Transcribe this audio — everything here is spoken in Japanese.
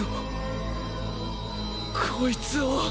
こいつを。